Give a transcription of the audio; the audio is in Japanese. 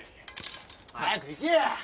早く行けや。